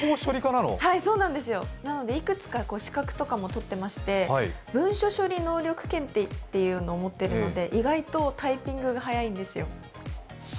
なのでいくつか資格とかもとってまして文書処理能力検定というのを持っているので、意外とタイピングが速いんですよ。